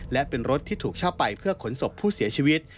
และเป็นรถที่ถูกเช่าไปเพื่อขนศพผู้เสียชีวิต